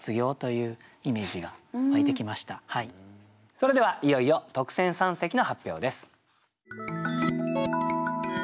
それではいよいよ特選三席の発表です。